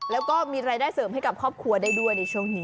แล้วก็มีรายได้เสริมให้กับครอบครัวได้ด้วยในช่วงนี้